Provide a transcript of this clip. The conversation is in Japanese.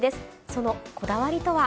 そのこだわりとは。